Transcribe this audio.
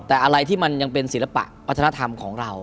แต่อะไรที่มันยังเป็นศิลปะวัฒนธรรมของเรา